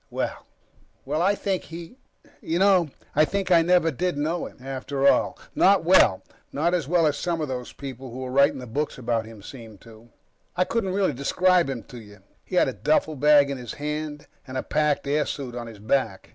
Well ... Well, I think he You know, I think I never did know him, after all. Not well. Not as well as some of those people who're writing the books about him seem to. I couldn't really describe him to you. He had a duffelbag in his hand and a packed airsuit on his back.